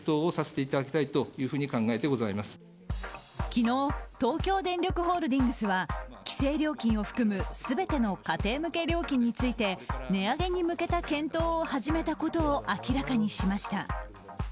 昨日東京電力ホールディングスは規制料金を含む全ての家庭向け料金について値上げに向けた検討を始めたことを明らかにしました。